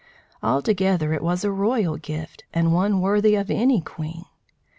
Altogether it was a royal gift, and one worthy of any queen.